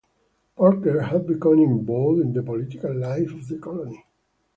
Parker had become involved in the political life of the colony.